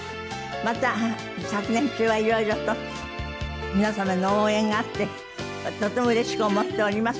また昨年中は色々と皆様の応援があってとてもうれしく思っております。